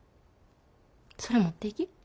それ持っていき。